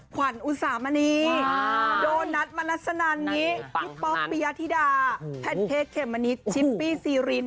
ขวัญอุสามณีโดนัทมนัสนันนี้พี่ป๊อกปิยธิดาแพนเค้กเขมมะนิดชิปปี้ซีริน